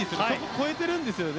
超えているんですね。